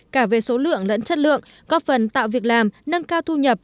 cả về số lượng lẫn chất lượng góp phần tạo việc làm nâng cao thu nhập